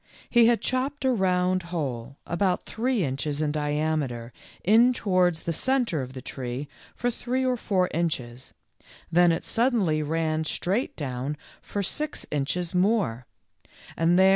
He had chopped a round hole about three inches in diameter in towards the centre of the tree for three or four inches, then it suddenly ran straight down for six inches more, and there 30 THE LITTLE FORESTERS.